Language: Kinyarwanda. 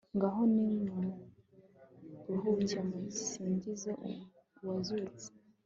ngaho nimuruhuke, musingize uwazutse